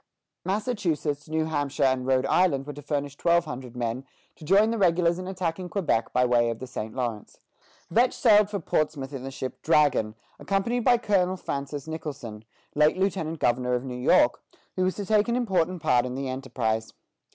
Massachusetts, New Hampshire, and Rhode Island were to furnish twelve hundred men, to join the regulars in attacking Quebec by way of the St. Lawrence. Vetch sailed from Portsmouth in the ship "Dragon," accompanied by Colonel Francis Nicholson, late lieutenant governor of New York, who was to take an important part in the enterprise.